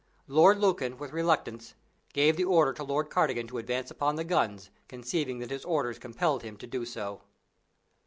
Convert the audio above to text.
Lord Lucan, with reluctance, gave the order to Lord Cardigan to advance upon the guns, conceiving that his orders compelled him to do so.